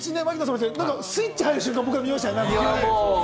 スイッチ入る瞬間を見ましたね。